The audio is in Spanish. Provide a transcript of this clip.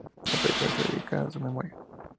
La película está dedicada a su memoria.